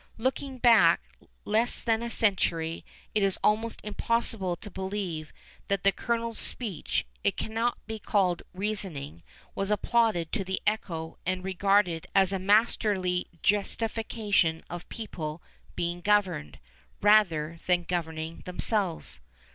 Looking back less than a century, it is almost impossible to believe that the colonel's speech it cannot be called reasoning was applauded to the echo and regarded as a masterly justification of people "being governed" rather than governing themselves.